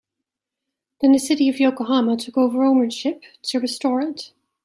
Then the city of Yokohama took over ownership, to restore it.